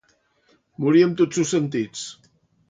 Morir amb tots sos sentits.